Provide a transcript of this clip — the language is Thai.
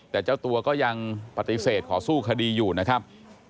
แต่เจ้าตัวก็ยังปฏิเสธขอสู้คดีอยู่นะครับ